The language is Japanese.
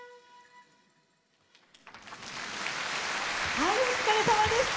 はいお疲れさまでした！